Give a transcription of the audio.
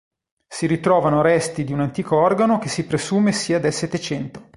Si ritrovano resti di un antico organo che si presume sia del settecento.